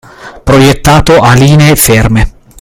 proiettato a linee ferme